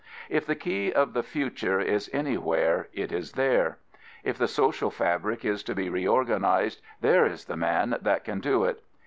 If the key of the future is anywhere it is there. If the social fabric is to be reorganised, there is the man that can do it.